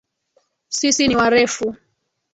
Sisi ni warefu